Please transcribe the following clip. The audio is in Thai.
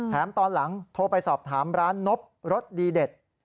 ตอนหลังโทรไปสอบถามร้านนบรสดีเด็ด